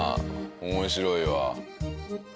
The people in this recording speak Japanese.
面白いわ。